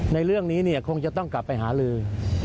ในเรื่องนี้คงจะต้องกลับไปหาลือ